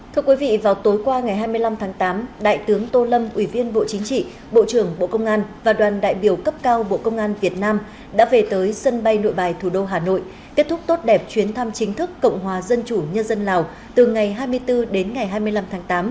thưa quý vị vào tối qua ngày hai mươi năm tháng tám đại tướng tô lâm ủy viên bộ chính trị bộ trưởng bộ công an và đoàn đại biểu cấp cao bộ công an việt nam đã về tới sân bay nội bài thủ đô hà nội kết thúc tốt đẹp chuyến thăm chính thức cộng hòa dân chủ nhân dân lào từ ngày hai mươi bốn đến ngày hai mươi năm tháng tám